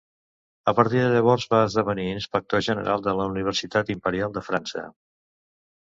A partir de llavors, va esdevenir inspector general de la Universitat Imperial de França.